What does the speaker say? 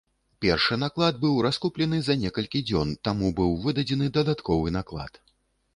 Першы наклад быў раскуплены за некалькі дзён, таму быў выдадзены дадатковы наклад.